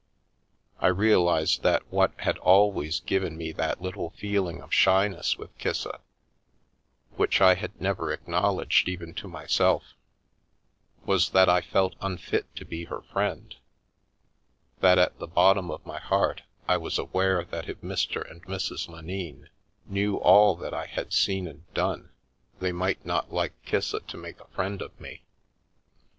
I realised that what had always given me that little feeling of shyness with Kissa, which I had never acknowledged even to myself, was that I felt unfit to be her friend, that at the bottom of my heart I was aware that if Mr. and Mrs. Lenine knew all that I had seen and done, they might not like Kissa to make a friend of me.